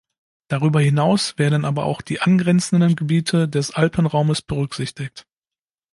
Darüber hinaus werden aber auch die angrenzenden Gebiete des Alpenraumes berücksichtigt.